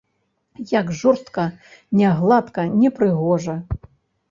Як жорстка, нягладка, непрыгожа!